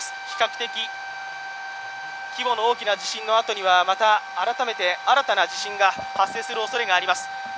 比較的規模の大きな地震の後にはまた改めて、新たな地震が発生するおそれがあります。